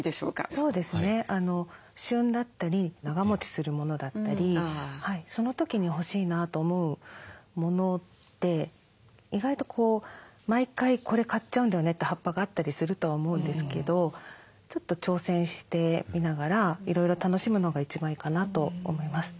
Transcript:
そうですね旬だったり長もちするものだったりその時に欲しいなと思うもので意外と「毎回これ買っちゃうんだよね」って葉っぱがあったりするとは思うんですけどちょっと挑戦してみながらいろいろ楽しむのが一番いいかなと思います。